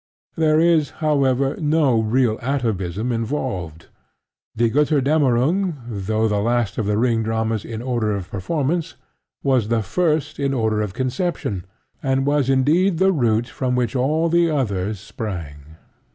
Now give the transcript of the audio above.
There is, however, no real atavism involved. Die Gotterdammerung, though the last of The Ring dramas in order of performance, was the first in order of conception and was indeed the root from which all the others sprang.